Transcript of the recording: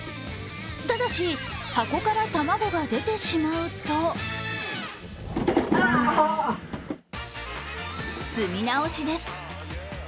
ただし、箱から卵が出てしまうと積み直しです。